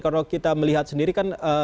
karena kita melihat sendiri kan